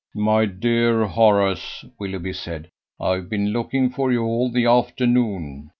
"My dear Horace," Willoughby said, "I've been looking for you all the afternoon.